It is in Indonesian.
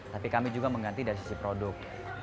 tapi kami juga mengganti dari sisi produk